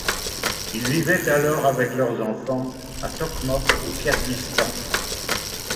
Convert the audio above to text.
Ils vivaient alors, avec leurs enfants, à Tokmok au Kirghizistan.